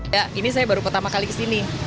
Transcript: ya ini saya baru pertama kali kesini